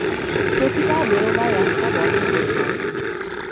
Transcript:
প্রতিটা বেরোবার রাস্তা বন্ধ করে দাও।